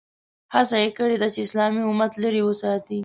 هڅه یې کړې ده چې اسلامي امت لرې وساتي.